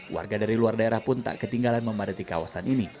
warga dari luar daerah pun tak ketinggalan memadati kawasan ini